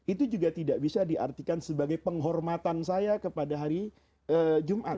itu juga tidak bisa diartikan sebagai penghormatan saya kepada hari jumat